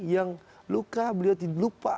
yang luka beliau lupa